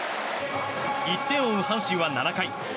１点を追う阪神は７回。